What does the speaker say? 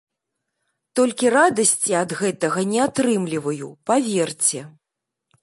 Толькі радасці ад гэтага не атрымліваю, паверце.